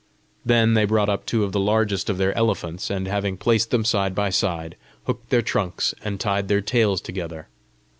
Then they brought up two of the largest of their elephants, and having placed them side by side, hooked their trunks and tied their tails together.